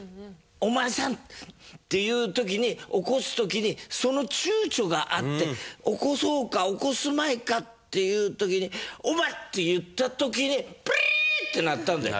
「お前さん！」っていう時に起こす時にその躊躇があって起こそうか起こすまいかっていう時に「おま」って言った時にピリリリリって鳴ったんだよ。